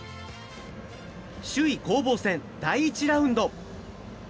首位攻防戦、第１ラウンド。